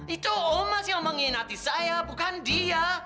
itu omas yang menghina hati saya bukan dia